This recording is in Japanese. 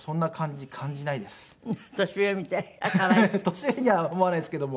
年上には思わないですけども。